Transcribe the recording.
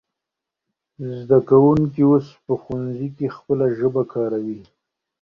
زده کوونکی اوس په ښوونځي کې خپله ژبه کارکوي.